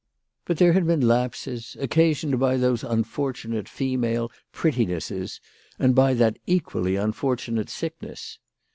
But there had been lapses, occa sioned by those unfortunate female prettinesses, and by that equally unfortunate sickness.